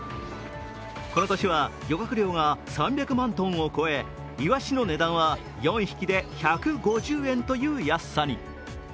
この年は漁獲量が３００万トンを超えイワシの値段は４匹で１５０円という安さに。